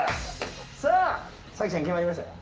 早紀ちゃん、決まりましたか？